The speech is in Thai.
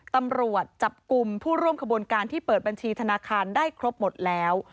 ตำรวจจับกลุ่มผู้ร่วมขบวนการที่เปิดบัญชีธนาคารได้ครบหมดแล้ว